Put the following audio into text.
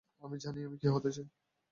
আমি জানি আমি কী হতে চাই।